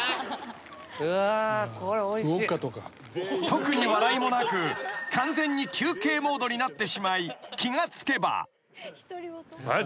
［特に笑いもなく完全に休憩モードになってしまい気が付けば］